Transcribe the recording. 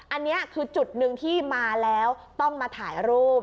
อันนี้คือจุดหนึ่งที่มาแล้วต้องมาถ่ายรูป